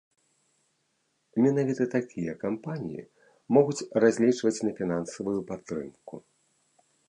Менавіта такія кампаніі могуць разлічваць на фінансавую падтрымку.